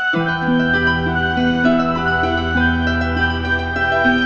kamu punya mertua satu aja udah pusing